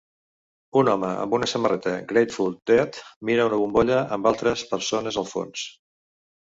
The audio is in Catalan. Un home amb una samarreta Grateful Dead mira una bombolla amb altres persones al fons.